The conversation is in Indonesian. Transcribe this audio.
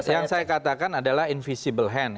yang saya katakan adalah invisible hand